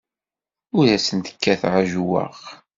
Ur asen-kkateɣ ajewwaq.